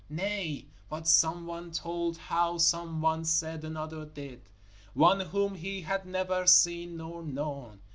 Nay, but some one told how some one said another did one whom he had never seen nor known.